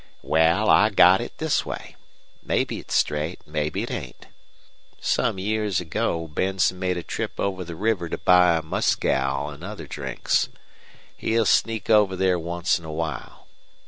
"Wal, I got it this way. Mebbe it's straight, an' mebbe it ain't. Some years ago Benson made a trip over the river to buy mescal an' other drinks. He'll sneak over there once in a while.